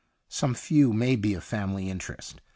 Some few may be of family interest.